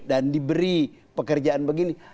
dan diberi pekerjaan begini